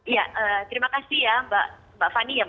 ya terima kasih ya mbak fani ya